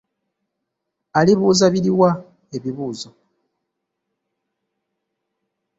Alibuuza biri wa ebibuuzo?